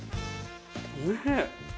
おいしい。